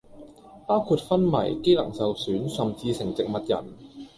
包括昏迷，機能受損、甚至成植物人